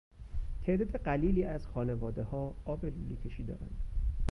تعداد قلیلی از خانوادهها آب لوله کشی دارند.